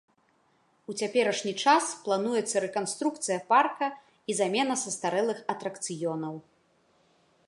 У цяперашні час плануецца рэканструкцыя парка і замена састарэлых атракцыёнаў.